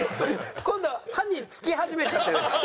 今度歯に付き始めちゃって。